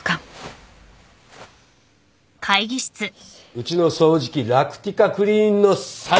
うちの掃除機ラクティカクリーンの最新モデル。